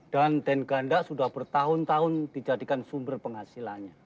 dan ten ganda sudah bertahun tahun dijadikan sumber penghasilannya